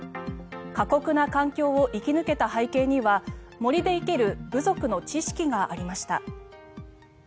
過酷な環境を生き抜けた背景には森で生きる部族の知識がありました。